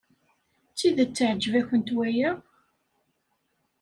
D tidet iɛjeb-awent waya?